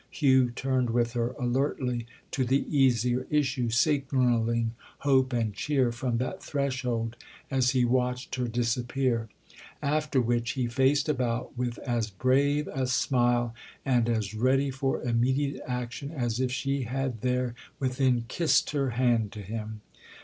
Hugh turned with her, alertly, to the easier issue, signalling hope and cheer from that threshold as he watched her disappear; after which he faced about with as brave a smile and as ready for immediate action as if she had there within kissed her hand to him.